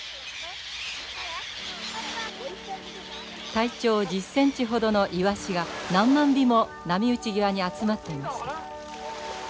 体長１０ｃｍほどのイワシが何万尾も波打ち際に集まっていました。